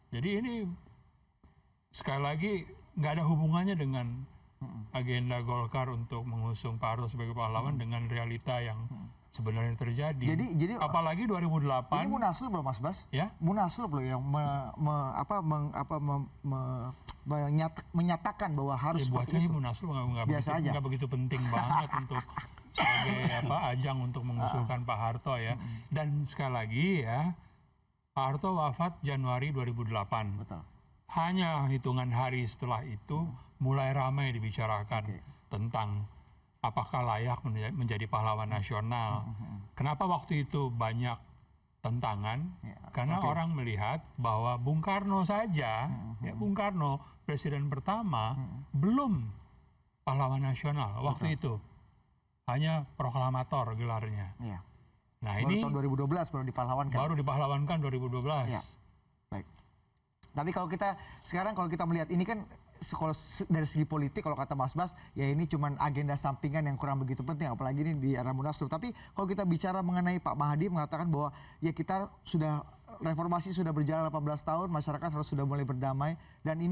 jadi ini sekali lagi gak ada hubungannya dengan agenda golkar untuk mengusung pak soeharto sebagai pahlawan dengan realita yang sebenarnya terjadi